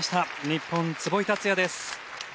日本壷井達也です。